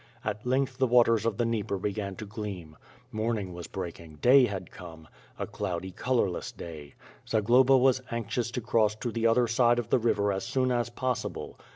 At length the waters of the Dnieper began to gleam. Mom ^^ Wti'H FIRE ANt) Sl^ORb. ing was breaking; day had come! a cloudy, colorless day. Zagloba was anxious to cross to the other side of the river as soon as possible.